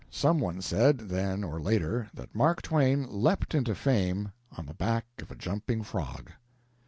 Some one said, then or later, that Mark Twain leaped into fame on the back of a jumping frog.